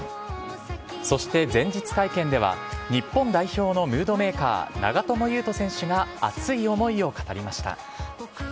そして前日会見では、日本代表のムードメーカー、長友佑都選手が熱い思いを語りました。